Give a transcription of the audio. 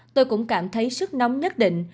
tôi cũng cảm thấy sức nóng nhất định